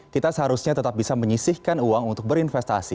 kita seharusnya tetap bisa menyisihkan uang untuk berinvestasi